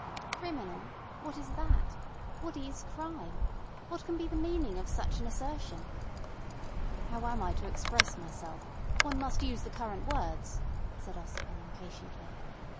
"Criminal! What is that? What is crime? What can be the meaning of such an assertion?" "How am I to express myself? One must use the current words," said Ossipon impatiently.